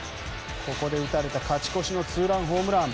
ここで打たれた勝ち越しのツーランホームラン。